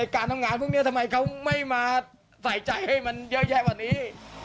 การทำงานพวกนี้ทำไมเขาไม่มาใส่ใจให้มันเยอะแยะกว่านี้